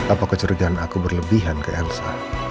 apa kecerdaan aku berlebihan ke elsa